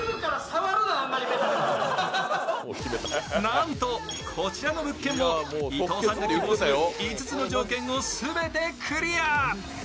なんとこちらの物件も伊藤さんが希望する５つの条件を全てクリア。